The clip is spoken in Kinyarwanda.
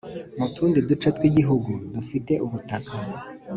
mu tundi duce tw Igihugu dufite ubutaka